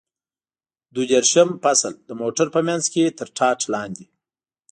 دوه دېرشم فصل: د موټر په منځ کې تر ټاټ لاندې.